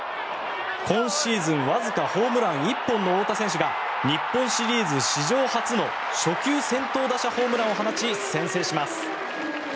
今シーズンわずかホームラン１本の太田選手が日本シリーズ史上初の初球先頭打者ホームランを放ち先制します。